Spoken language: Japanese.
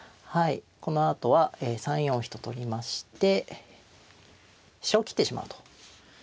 このあとは３四飛と取りまして飛車を切ってしまうと。